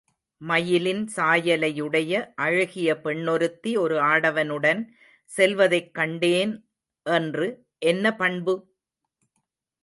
மயிலின் சாயலையுடைய அழகிய பெண்ணொருத்தி ஒரு ஆடவனுடன் செல்வதைக் கண்டேன் என்று என்ன பண்பு?